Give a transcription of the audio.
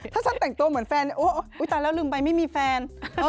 ถ้าฉันแต่งตัวเหมือนแฟนโอ๊ยตายแล้วลืมไปไม่มีแฟน